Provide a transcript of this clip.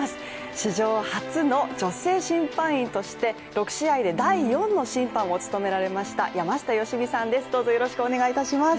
史上初の女性審判員として６試合で第４の審判を務められました、山下良美さんです